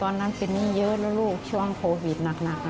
ตอนนั้นเป็นหนี้เยอะแล้วลูกช่วงโควิดหนัก